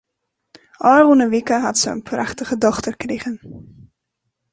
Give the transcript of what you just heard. Ofrûne wike hat se in prachtige dochter krigen.